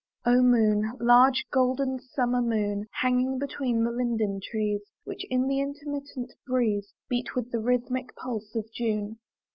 XIII. O MOON, large golden summer moon, Hanging between the linden trees, Which in the intermittent breeze Beat with the rhythmic pulse of June!